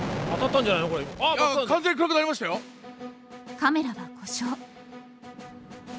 カメラは故障。